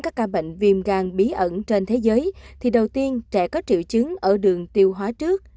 các ca bệnh viêm gan bí ẩn trên thế giới thì đầu tiên trẻ có triệu chứng ở đường tiêu hóa trước